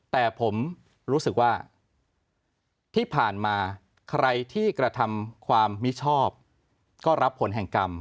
แต่ผมรู้สึกว่าที่ผ่านมาใครที่กระทำความมิชอบก็รับผลแห่งกรรม